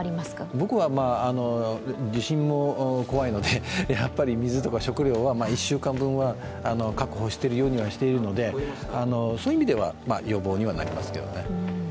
僕は地震も怖いので水とか食料は１週間分は確保するようにはしているのでそういう意味では予防にはなりますけどね。